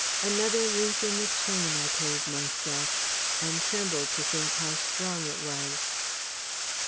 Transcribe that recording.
Another link in the chain, I told myself; and trembled to think how strong it was.